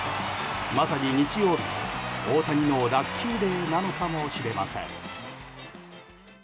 まさに日曜日は大谷のラッキーデーなのかもしれません。